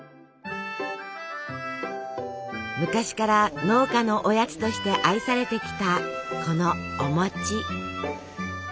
昔から農家のおやつとして愛されてきたこのお餅。